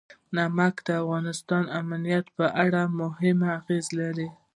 نمک د افغانستان د امنیت په اړه هم اغېز لري.